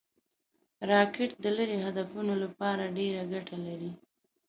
راکټ د لرې هدفونو لپاره ډېره ګټه لري